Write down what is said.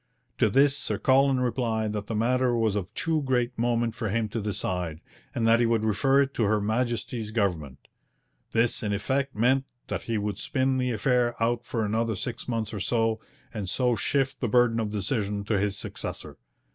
To this Sir Colin replied that the matter was of too great moment for him to decide, and that he would refer it to Her Majesty's government. This in effect meant that he would spin the affair out for another six months or so, and so shift the burden of decision to his successor.